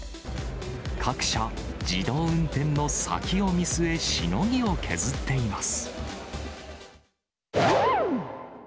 各社、自動運転の先を見据え、しのぎを削っています。